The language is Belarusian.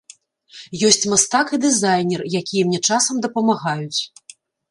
Ёсць мастак і дызайнер, якія мне часам дапамагаюць.